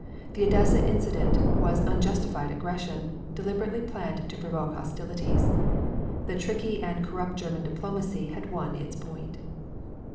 The Odessa incident was unjustified aggression, deliberately planned to provoke hostilities. The tricky and corrupt German diplomacy had won its point.